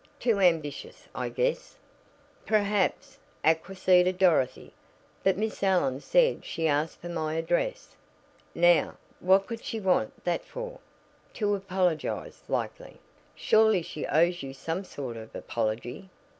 Too ambitious, I guess." "Perhaps," acquiesced Dorothy. "But Miss Allen said she asked for my address. Now, what could she want that for?" "To apologize, likely. Surely she owes you some sort of apology."